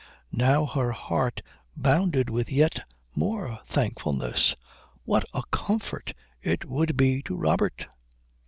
Now her heart bounded with yet more thankfulness. What a comfort it would be to Robert.